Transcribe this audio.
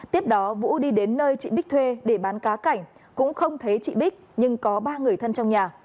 tiếp đó vũ đi đến nơi chị bích thuê để bán cá cảnh cũng không thấy chị bích nhưng có ba người thân trong nhà